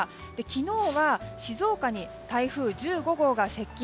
昨日は静岡に台風１５号が接近。